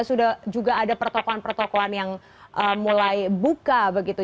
sudah juga ada pertokohan pertokohan yang mulai buka begitu